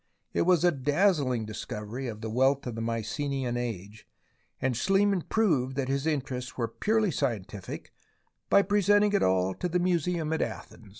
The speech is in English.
It was a dazzling discovery of the wealth of the Mycenaean age, and Schliemann proved that his interests were purely scientific by presenting it all to the museum at Athens.